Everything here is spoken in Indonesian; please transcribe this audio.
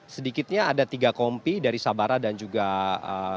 sedikitnya ada tiga kompi dari sabara dan juga dari jalan jalan jalan